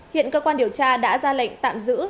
hiện cơ quan điều tra đã ra lệnh tạm giữ